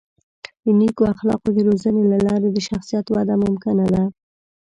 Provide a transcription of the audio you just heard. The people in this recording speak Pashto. د نیکو اخلاقو د روزنې له لارې د شخصیت وده ممکنه ده.